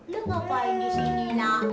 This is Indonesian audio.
sama perempuan itu yang